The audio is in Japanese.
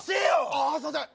あぁすいません。